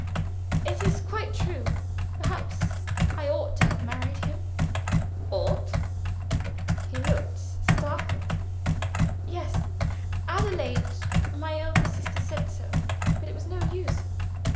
It is quite true. Perhaps I ought to have married him." "Ought!" He looked startled. "Yes. Adelaide my eldest sister said so. But it was no use.